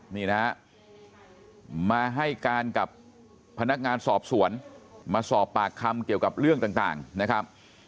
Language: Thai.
นี่นะฮะมาให้การกับพนักงานสอบสวนมาสอบปากคำเกี่ยวกับเรื่องต่างนะครับ